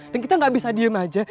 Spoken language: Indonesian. dan kita gak bisa diem aja